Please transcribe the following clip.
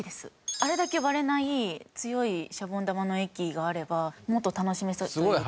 あれだけ割れない強いシャボン玉の液があればもっと楽しめそうっていうか。